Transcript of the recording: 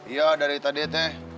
iya dari tadi teh